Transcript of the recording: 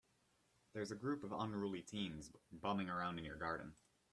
There's a group of unruly teens bumming around in your garden.